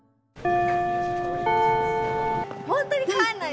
本当に帰んないで！